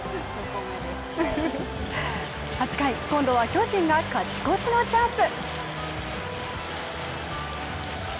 ８回、今度は巨人が勝ち越しのチャンス。